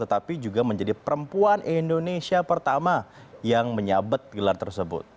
tetapi juga menjadi perempuan indonesia pertama yang menyabet gelar tersebut